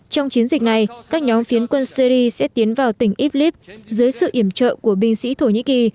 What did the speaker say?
trong chiến dịch này các nhóm phiến quân syri sẽ tiến vào tỉnh iblis dưới sự iểm trợ của binh sĩ thổ nhĩ kỳ